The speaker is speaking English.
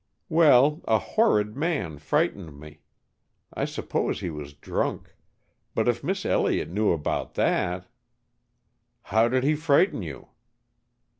"Well, a horrid man frightened me. I suppose he was drunk. But if Miss Elliott knew about that !" "How did he frighten you?"